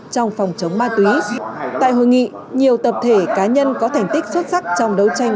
trong phòng chống ma túy tại hội nghị nhiều tập thể cá nhân có thành tích xuất sắc trong đấu tranh